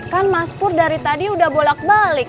kan mas pur dari tadi udah bolak balik